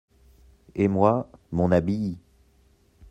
Et moi, mon habit…